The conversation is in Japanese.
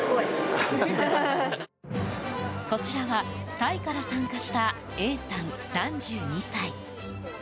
こちらはタイから参加したエーさん、３２歳。